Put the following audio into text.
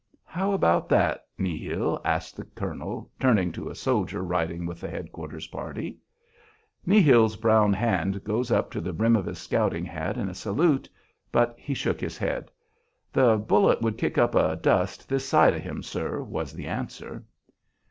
"How about that, Nihil?" asked the colonel, turning to a soldier riding with the head quarters party. Nihil's brown hand goes up to the brim of his scouting hat in salute, but he shook his head. "The bullet would kick up a dust this side of him, sir," was the answer.